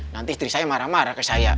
nanti istri saya marah marah ke saya